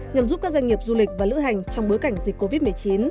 nhằm giúp các doanh nghiệp du lịch và lữ hành trong bối cảnh dịch covid một mươi chín